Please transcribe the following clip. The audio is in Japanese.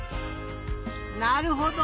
なるほど！